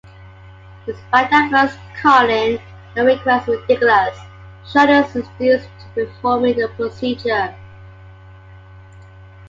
Despite at first calling the request ridiculous, Sean is seduced into performing the procedure.